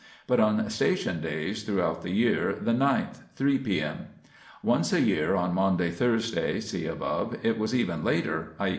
but on " Station " days throughout the year the ninth (3 p.m.). Once a year, on Maundy Thursday (see above), it was even later, i.